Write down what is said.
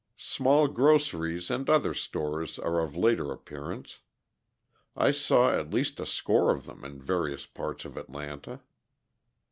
Small groceries and other stores are of later appearance; I saw at least a score of them in various parts of Atlanta.